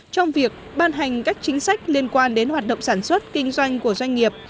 trong việc ban hành các chính sách liên quan đến hoạt động sản xuất kinh doanh của doanh nghiệp